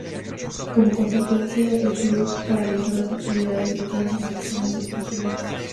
Como consecuencia, el club paralizó las actividades de todas sus secciones deportivas.